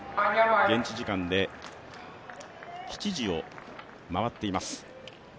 現地時間で７時を回っています。